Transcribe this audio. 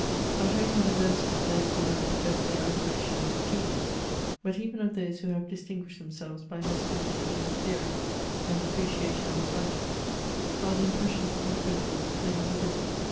Not only in the verses of those who have professed their admiration of his genius, but even of those who have distinguished themselves by hostility to his theory, and depreciation of his writings, are the impressions of his principles plainly visible.